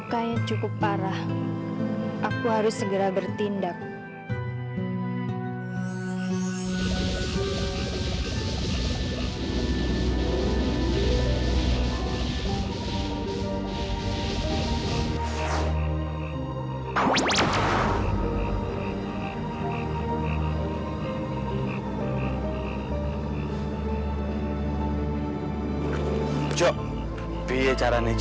kau akan semua kemampuan